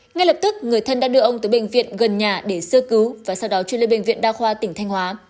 ngay lập tức người thân đã đưa ông tới bệnh viện gần nhà để sơ cứu và sau đó chuyển lên bệnh viện đa khoa tỉnh thanh hóa